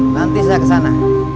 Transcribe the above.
nanti saya kesana